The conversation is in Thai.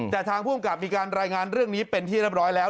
แต่ทางภูมิกับมีการรายงานเรื่องนี้เป็นที่เรียบร้อยแล้ว